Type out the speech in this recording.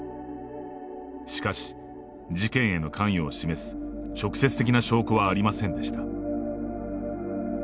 しかし、事件への関与を示す直接的な証拠はありませんでした。